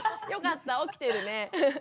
よかった起きてるね。